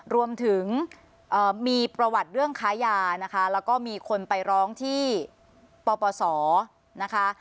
รวมถึงมีประวัติเรื่องค้ายานะคะแล้วก็มีคนไปร้องที่ปปศนะคะ